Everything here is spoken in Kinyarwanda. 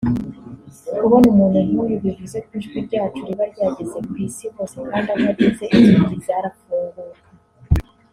Kubona umuntu nk’uyu bivuze ko ijwi ryacu riba ryageze ku Isi hose kandi aho ageze inzugi zarafunguka